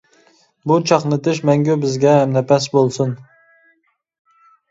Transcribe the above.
بۇ چاقنىتىش مەڭگۈ بىزگە ھەمنەپەس بولسۇن.